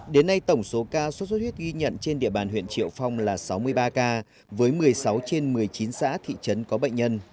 đến nay tổng số ca sốt xuất huyết ghi nhận trên địa bàn huyện triệu phong là sáu mươi ba ca với một mươi sáu trên một mươi chín xã thị trấn có bệnh nhân